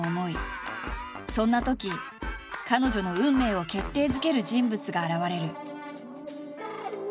そんなとき彼女の運命を決定づける人物が現れる。